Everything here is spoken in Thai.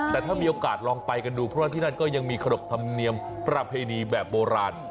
แต่ถ้ามีโอกาสลองไปกันดูเพราะว่าที่นั่นก็ยังมีขนบธรรมเนียมประเพณีแบบโบราณ